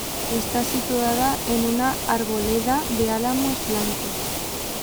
Está situada en una arboleda de álamos blancos.